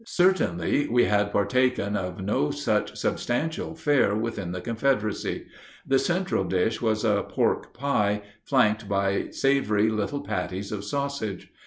Certainly we had partaken of no such substantial fare within the Confederacy. The central dish was a pork pie, flanked by savory little patties of sausage.